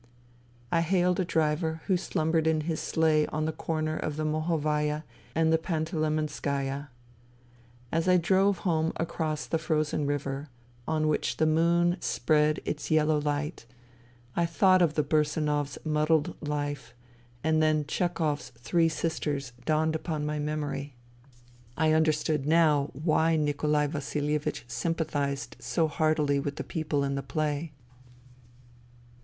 I hailed a driver who slumbered in his sleigh on the corner of the Mohovaya and the Pantilemen skaya. As I drove home across the frozen river, on which the moon spread its yellow light, I thought of the Bursanovs' muddled life, and then Ghehov's Three Sisters dawned upon my memory. 44 FUTILITY I understood now why Nikolai Vasilievich sym pathized so heartily with the people in the play.